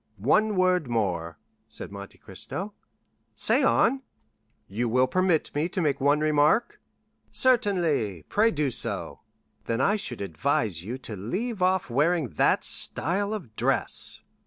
"One word more," said Monte Cristo. "Say on." "You will permit me to make one remark?" "Certainly; pray do so." "Then I should advise you to leave off wearing that style of dress."